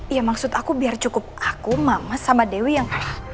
ya maksud aku biar cukup aku mama sama dewi yang